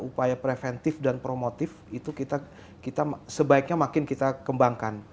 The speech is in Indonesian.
upaya preventif dan promotif itu kita sebaiknya makin kita kembangkan